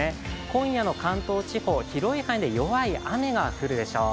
今夜の関東地方、広い範囲で弱い雨が降るでしょう。